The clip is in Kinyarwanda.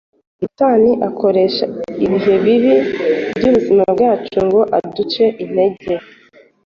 Satani akoresha ibihe bibi by’ubuzima bwacu ngo aduce intege.